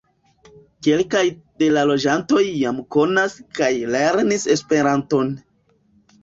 Kelkaj de la loĝantoj jam konas kaj lernis Esperanton.